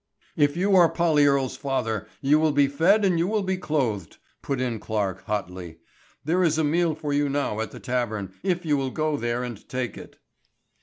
"If you are Polly Earle's father, you will be fed and you will be clothed," put in Clarke hotly. "There is a meal for you now at the tavern, if you will go there and take it."